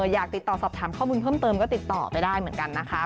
อยากติดต่อสอบถามข้อมูลเพิ่มเติมก็ติดต่อไปได้เหมือนกันนะคะ